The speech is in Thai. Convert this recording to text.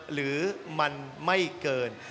หรือมันไม่เกิน